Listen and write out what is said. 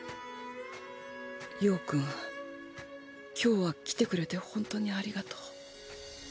葉くん今日は来てくれてホントにありがとう